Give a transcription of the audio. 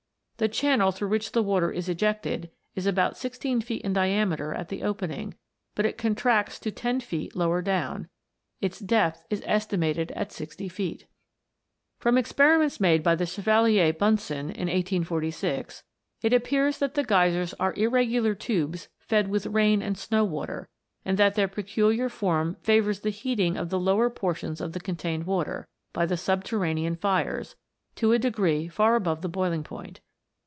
The channel through which the water is ejected is about sixteen feet in diameter at the opening, but it contracts to ten feet lower down ; its depth is estimated at sixty feet. From experiments made by the Chevalier Bunsen, in 1846, it appears that the Geysers are irregular tubes fed with rain and snow water, and that their peculiar form favours the heating of the lower por tions of the contained water, by the subterranean fires, to a degree far above the boiling point.